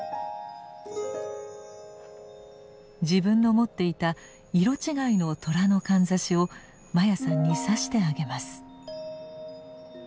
自分の持っていた色違いの寅のかんざしを真矢さんに挿してあげます。